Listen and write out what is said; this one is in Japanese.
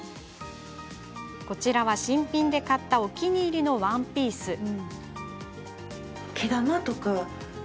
こちらは、新品で買ったお気に入りのワンピース。